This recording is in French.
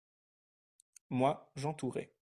Moi, j’entourais.